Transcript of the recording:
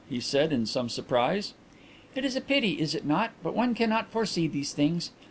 he said, in some surprise. "It is a pity, is it not, but one cannot foresee these things.